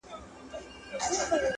تمه نه وه د پاچا له عدالته-